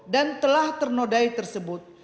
dan telah ternodai tersebut